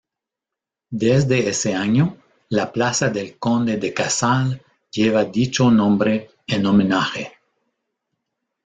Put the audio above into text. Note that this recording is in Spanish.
Desde ese año la plaza del Conde de Casal lleva dicho nombre en homenaje.